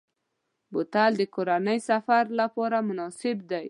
بوتل د کورنۍ سفر لپاره مناسب دی.